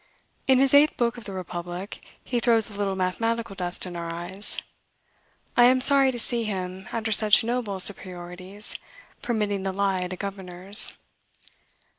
In his eighth book of the Republic, he throws a little mathematical dust in our eyes. I am sorry to see him, after such noble superiorities, permitting the lie to governors.